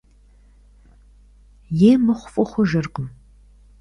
Е мыхъу фӀы хъужыркъым.